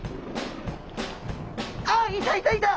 あっいたいたいた！